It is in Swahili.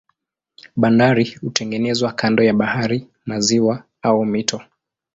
Bandari hutengenezwa kando ya bahari, maziwa au mito.